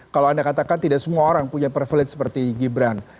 kalau anda katakan tidak semua orang punya privilege seperti gibran